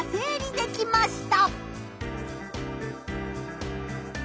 できました！